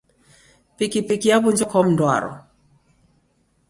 Pikipiki yaw'unjwa kwa mndu waro.